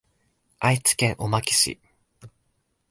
愛知県小牧市